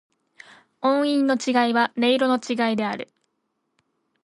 音韻の違いは、音色の違いである。